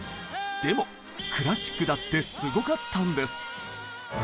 でもクラシックだってすごかったんです！